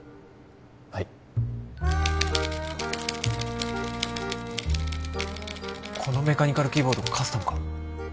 はいこのメカニカルキーボードカスタムか？